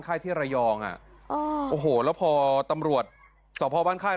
ไข้ที่ระยองอ่ะโอ้โหแล้วพอตำรวจสอบพลบ้านไข้